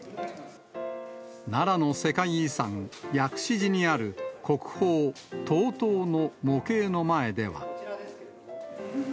奈良の世界遺産、薬師寺にある国宝、東塔の模型の前では。